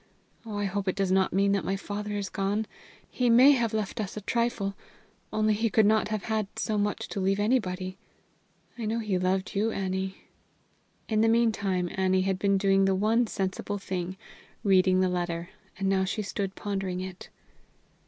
Oh, I hope it does not mean that my father is gone. He may have left us a trifle. Only he could not have had so much to leave to anybody. I know he loved you, Annie." In the meantime Annie had been doing the one sensible thing reading the letter, and now she stood pondering it.